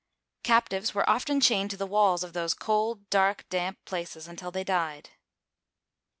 Captives were often chained to the walls of these cold, dark, damp places until they died.